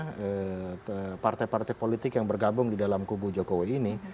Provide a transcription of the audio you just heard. karena partai partai politik yang bergabung di dalam kubu jokowi ini